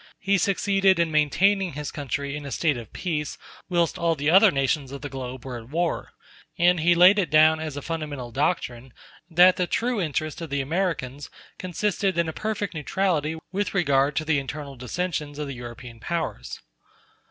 He succeeded in maintaining his country in a state of peace whilst all the other nations of the globe were at war; and he laid it down as a fundamental doctrine, that the true interest of the Americans consisted in a perfect neutrality with regard to the internal dissensions of the European Powers.